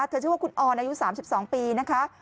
ชื่อว่าคุณออนอายุ๓๒ปีนะคะ